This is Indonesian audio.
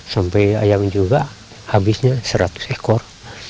sampai ayam juga habisnya seratus ekor